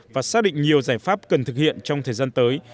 và xác định nhiều giải pháp cần thực hiện trong thời gian tới